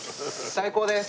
最高です。